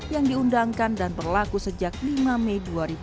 yang diundangkan dan berlaku sejak lima mei dua ribu dua puluh satu